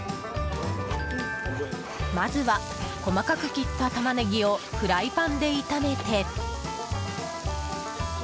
まずは、細かく切ったタマネギをフライパンで炒めて。